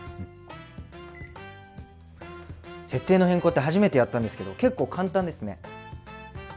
設定の変更って初めてやったんですけど結構簡単ですね。